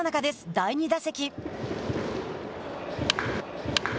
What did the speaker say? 第２打席。